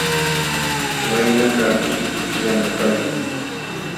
Waynakaq tuki tukillam qapalin.